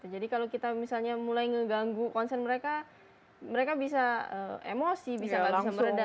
jadi kalau kita misalnya mulai ngeganggu konsen mereka mereka bisa emosi bisa nggak bisa meredam